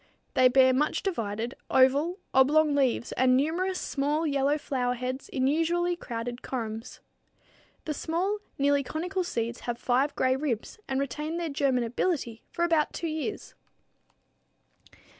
They bear much divided, oval, oblong leaves and numerous small, yellow flower heads in usually crowded corymbs. The small, nearly conical seeds have five gray ribs and retain their germinability for about two years.